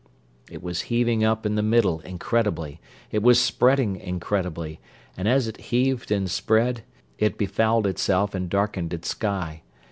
It was heaving up in the middle incredibly; it was spreading incredibly; and as it heaved and spread, it befouled itself and darkened its sky.